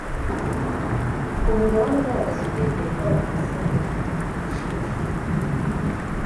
umugabane ugaragaza ubwiyongere bw’Abakirisitu gatulika kurusha indi